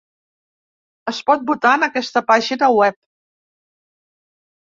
Es pot votar en aquesta pàgina web.